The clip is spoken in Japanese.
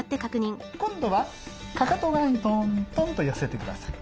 今度はかかと側にトントンと寄せてください。